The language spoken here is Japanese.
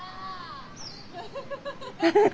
フフフフフ。